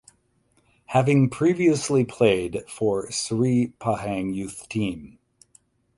Having previously played for Sri Pahang youth team.